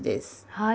はい。